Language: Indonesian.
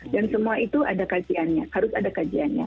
dan semua itu harus ada kajiannya